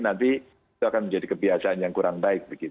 nanti itu akan menjadi kebiasaan yang kurang baik